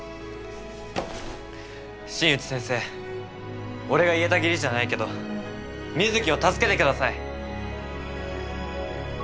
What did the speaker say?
新内先生俺が言えた義理じゃないけど水城を助けてください。